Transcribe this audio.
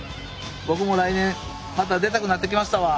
僕も来年また出たくなってきましたわ！